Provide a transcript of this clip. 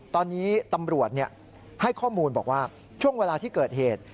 ตอนนี้ตำรวจให้ข้อมูลบอกว่าช่วงเวลาที่เกิดเหตุ